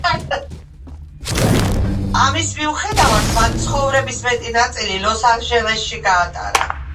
ამის მიუხედავად მან ცხოვრების მეტი ნაწილი ლოს ანჯელესში გაატარა.